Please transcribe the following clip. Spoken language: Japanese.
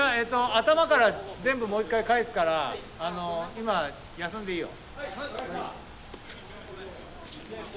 頭から全部もう１回かえすから今休んでいいよ。